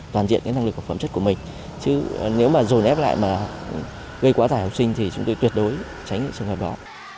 toàn diện cái năng lực của phẩm chất của mình chứ nếu mà dồn ép lại mà gây quá tải học sinh thì chúng tôi tuyệt đối tránh trường hợp đó